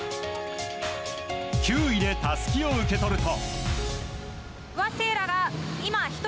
９位でたすきを受け取ると。